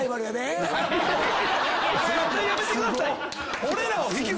絶対やめてくださいよ。